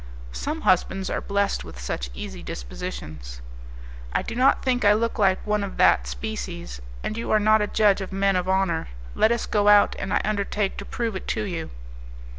"Some husbands are blessed with such easy dispositions!" "I do not think I look like one of that species, and you are not a judge of men of honour, let us go out, and I undertake to prove it to you."